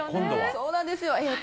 そうなんです。